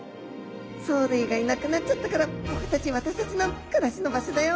藻類がいなくなっちゃったから僕たち私たちの暮らしの場所だよ。